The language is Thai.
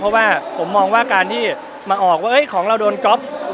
เพราะว่าผมมองว่าการที่มาออกว่าของเราโดนก๊อฟ